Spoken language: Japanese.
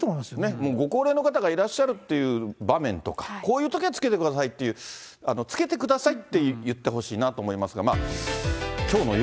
もうご高齢の方がいらっしゃるっていう場面とか、こういうときは着けてくださいっていう、着けてくださいって言ってほしいなと思いますが、きょうの夜、